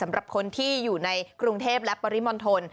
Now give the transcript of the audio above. สำหรับคนที่อยู่ในกรุงเทพและปริมณฑล